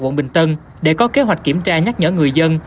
quận bình tân để có kế hoạch kiểm tra nhắc nhở người dân